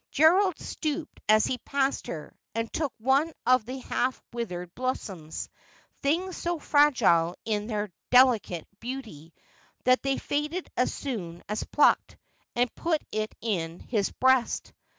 Gerald stooped as he passed her, and took one of the half withered blossoms — things so fragile in their delicate beauty that they faded as soon as plucked — and put it in his breast.